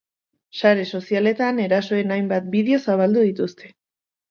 Sare sozialetan erasoen hainbat bideo zabaldu dituzte.